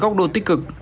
ở góc độ tích cực